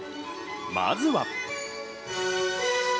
まずは。